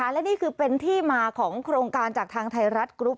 และนี่คือเป็นที่มาของโครงการจากทางไทยรัฐกรุ๊ป